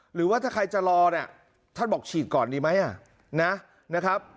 หรือว่าถ้าใครจะรอเนี่ยท่านบอกฉีดก่อนดีไหมนะครับ